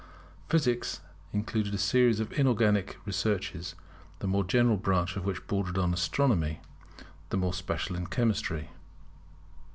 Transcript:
Physics included a series of inorganic researches, the more general branch of which bordered on Astronomy, the more special on Chemistry.